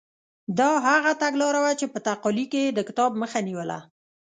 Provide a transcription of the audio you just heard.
دا هغه تګلاره وه چې په تقالي کې یې د کتاب مخه نیوله.